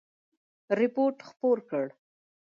رپوټ خپور کړ.